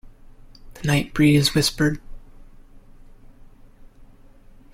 The night breeze whispered.